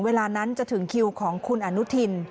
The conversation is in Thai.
เวลานั้นจะถึงคิวของคุณอนุทิน